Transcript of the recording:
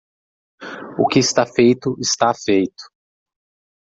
O que está feito está feito.